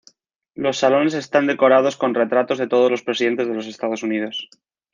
Los salones están decorados con retratos de todos los presidentes de los Estados Unidos.